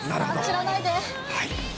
散らないで。